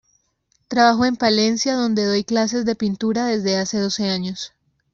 Trabajo en Palencia, donde doy clases de pintura desde hace doce años.